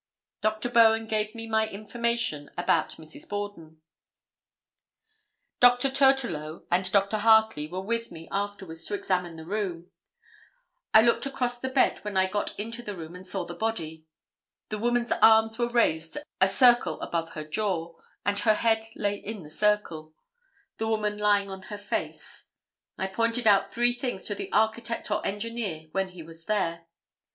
Dr. Bowen gave me my information about Mrs. Borden; Dr. Tourtellot and Dr. Hartley were with me afterwards to examine the room; I looked across the bed when I got into the room and saw the body; the woman's arms were raised a circle above her jaw, and her head lay in the circle, the woman lying on her face; I pointed out three things to the architect or engineer when he was there.